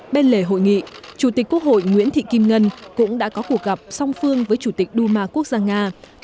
bên lề hội nghị chủ tịch quốc hội nguyễn thị kim ngân cũng đã có cuộc gặp song phương với chủ tịch đu ma quốc gia nga